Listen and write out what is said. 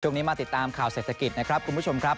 มาติดตามข่าวเศรษฐกิจนะครับคุณผู้ชมครับ